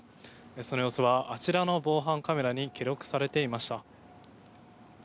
その様子はあちらの防犯カメラに記録されていました。